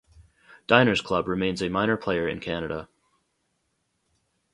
Diners Club remains a minor player in Canada.